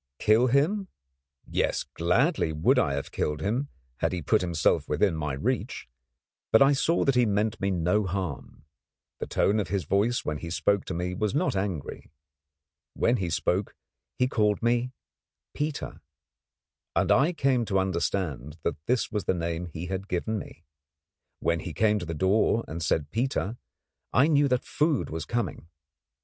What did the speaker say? Kill him? Yes, gladly would I have killed him, had he put himself within my reach; but I saw that he meant me no harm. The tone of his voice when he spoke to me was not angry. Whenever he spoke he called me 'Peter,' and I came to understand that this was the name he had given me. When he came to the door and said 'Peter,' I knew that food was coming.